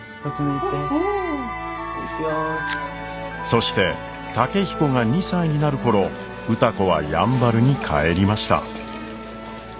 そして健彦が２歳になる頃歌子はやんばるに帰りました。